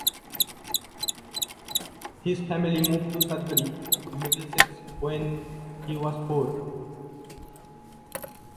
His family moved to Sudbury, Middlesex when he was four.